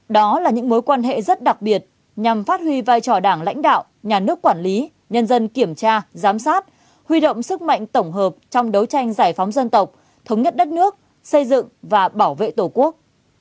đó là những mối quan hệ rất đặc biệt nhằm phát huy vai trò đảng lãnh đạo nhà nước quản lý nhân dân kiểm tra giám sát huy động sức mạnh tổng hợp trong đấu tranh giải phóng dân tộc thống nhất đất nước xây dựng và bảo vệ tổ quốc